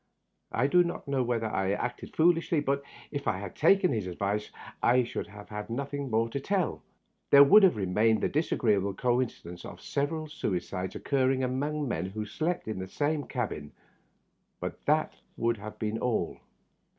I do not know whether I acted foolishly, but if I had taken his advice I should have had nothing more to tell. There would have re mained the disagreeable coincidence of several suicides occurring among men who had slept in the same cabin, but that would have been all.